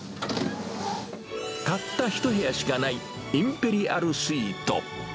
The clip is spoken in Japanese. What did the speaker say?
たった一部屋しかないインペリアルスイート。